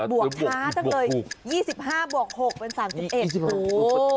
วกช้าจังเลย๒๕บวก๖เป็น๓๑โอ้โห